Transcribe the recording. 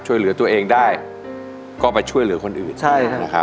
ช่วยเหลือตัวเองได้ก็ไปช่วยเหลือคนอื่นใช่นะครับ